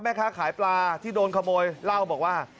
แม่ค้าขายปลาที่โดนขโมยเล่าบอกว่า